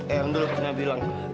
eyang dulu pernah bilang